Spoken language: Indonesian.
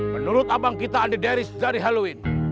menurut abang kita andi deris dari halloween